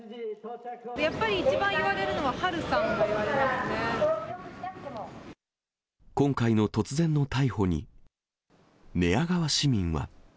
やっぱり一番言われるのは波今回の突然の逮捕に、寝屋川市民は。